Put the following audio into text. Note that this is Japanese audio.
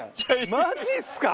マジっすか？